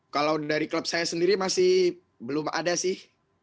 kalau dari klub saya sendiri masih belum ada sih